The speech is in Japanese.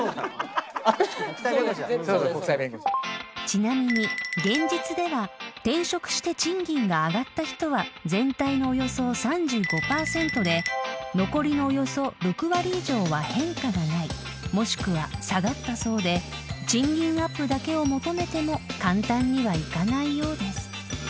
あの人国際弁護士なの⁉［ちなみに現実では転職して賃金が上がった人は全体のおよそ３５％で残りのおよそ６割以上は変化がないもしくは下がったそうで賃金アップだけを求めても簡単にはいかないようです］